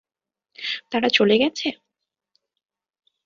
তারা চলে গেছে?